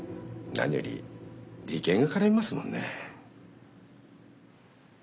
何より利権が絡みますもんね。